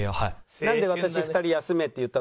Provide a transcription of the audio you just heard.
「なんで私２人休めって言ったと思う？」。